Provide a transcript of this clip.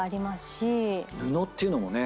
布っていうのもね